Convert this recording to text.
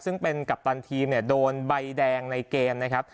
ซึ่งเป็นกัปตันทีมเนี่ยโดนใบแดงในเกมนะครับ